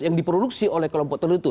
yang diproduksi oleh kelompok tertentu